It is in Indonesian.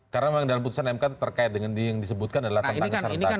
karena memang dalam putusan mk itu terkait dengan yang disebutkan adalah tentang kesertaan